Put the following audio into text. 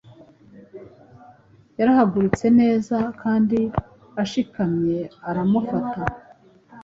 yarahagurutse neza kandi ashikamye aramufata